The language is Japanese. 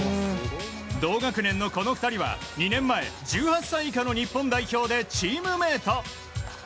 同学年のこの２人は２年前１８歳以下の日本代表でチームメート。